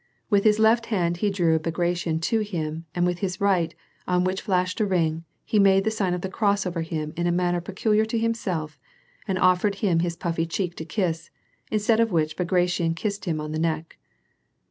With his left hand he drew Bagration to him, and with his right, on which flashed a ring, he made the sign of the cross over him in a manner peculiar to liinisflf, and offered himliis puffy cheek to kiss, instead of which Bagration kissed him on the neck.